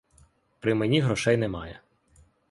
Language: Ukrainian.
При мені грошей немає.